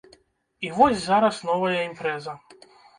І вось зараз новая імпрэза.